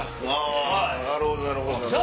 なるほどなるほど。